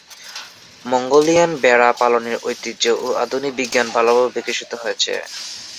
Mongolian ভেড়া পালনের ঐতিহ্য ও আধুনিক বিজ্ঞান ভালোভাবে বিকশিত হয়েছে।